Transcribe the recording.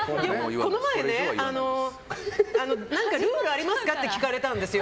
この前ルールありますかって聞かれたんですよ。